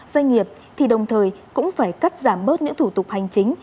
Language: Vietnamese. doanh nghiệp thì đồng thời cũng phải cắt giảm bớt những thủ tục hành chính